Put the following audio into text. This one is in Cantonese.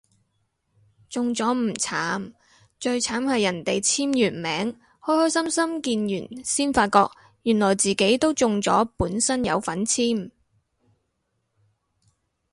中咗唔慘，最慘係人哋簽完名開開心心見完先發覺原來自己都中咗本身有份簽